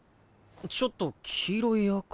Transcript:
ちょっと黄色い赤？